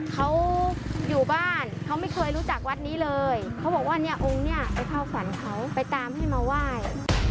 เขาอยู่บ้านเขาไม่เคยรู้จักวัดนี้เลยเขาบอกว่าเนี่ยองค์เนี่ยไปเข้าฝันเขาไปตามให้มาไหว้